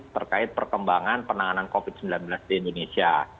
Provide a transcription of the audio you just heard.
terkait perkembangan penanganan covid sembilan belas di indonesia